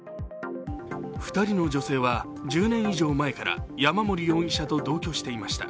２人の女性は１０年以上前から山森容疑者と同居していました。